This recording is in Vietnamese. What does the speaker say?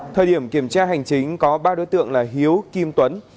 thời điểm kiểm tra hành chính có ba đối tượng là hiếu kim tuấn